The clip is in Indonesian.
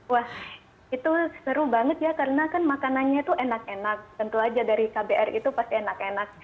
wah itu seru banget ya karena kan makanannya itu enak enak tentu aja dari kbr itu pasti enak enak